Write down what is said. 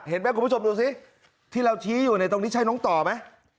เห็นไหมคุณผู้ชมดูสิที่เราชี้อยู่ในตรงนี้ใช่น้องต่อไหม